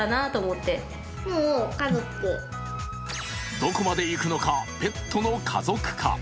どこまでいくのか、ペットの家族化。